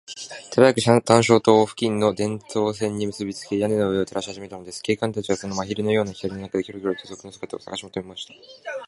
手早く探照燈を付近の電燈線にむすびつけ、屋根の上を照らしはじめたのです。警官たちは、その真昼のような光の中で、キョロキョロと賊の姿をさがしもとめました。